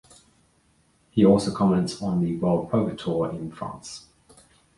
He also comments on the World Poker Tour in France.